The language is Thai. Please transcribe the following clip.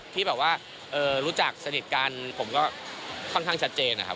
ที่แบบว่ารู้จักสนิทกันผมก็ค่อนข้างชัดเจนนะครับ